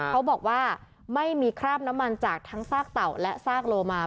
เขาบอกว่าไม่มีคราบน้ำมันจากทั้งซากเต่าและซากโลมา